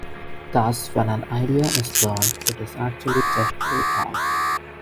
Thus, when an Idea is "learned" it is actually just "recalled".